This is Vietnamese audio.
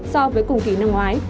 so với cùng kỳ năm ngoái